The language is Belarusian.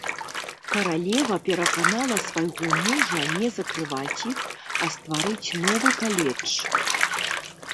Каралева пераканала свайго мужа не закрываць іх, а стварыць новы каледж.